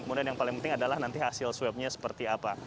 kemudian yang paling penting adalah nanti hasil swabnya seperti apa